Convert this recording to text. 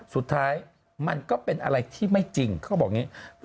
สุดท้ายมันก็เป็นอะไรที่ไม่จริงเขาบอกอย่างนี้